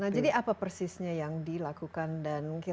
nah jadi apa persisnya yang dilakukan dan kira kira apa yang dilakukan